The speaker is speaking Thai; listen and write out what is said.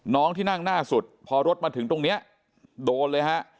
น้องที่นั่งหน้าสุดพอรถมาถึงตรงนี้โดนเลยฮะ